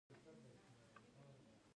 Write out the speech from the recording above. تیر ته مه ژاړئ